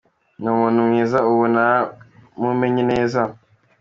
"Ni umuntu mwiza ubu naramumenye neza.